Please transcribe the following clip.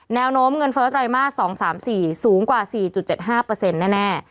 แนวโน้มเงินเฟ้อตัรมาส๒๓๔สูงกว่า๔๗๕เปอร์เซ็นต์แน่